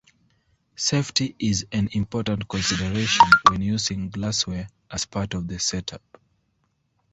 Safety is an important consideration when using glassware as part of the set-up.